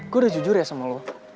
gue udah jujur ya sama lo